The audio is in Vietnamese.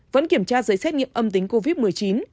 vẫn kiểm tra giấy xét nghiệm âm tính covid một mươi chín